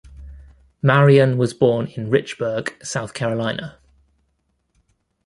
Marion was born in Richburg, South Carolina.